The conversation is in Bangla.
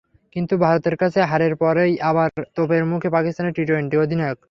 কিন্তু ভারতের কাছে হারের পরেই আবার তোপের মুখে পাকিস্তানের টি-টোয়েন্টি অধিনায়ক।